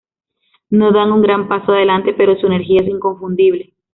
No dan un gran paso adelante pero su energía es inconfundible.